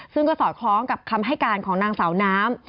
ซึ่งก็สอดคล้องกับคำให้การของนางสาวน้ำ